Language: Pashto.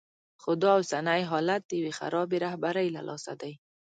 خو دا اوسنی حالت د یوې خرابې رهبرۍ له لاسه دی.